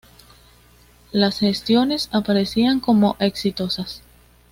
Las gestiones aparecían como exitosas.